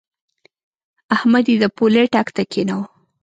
احمد يې د پولۍ ټک ته کېناوو.